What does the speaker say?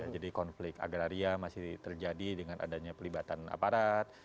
jadi konflik agraria masih terjadi dengan adanya pelibatan aparat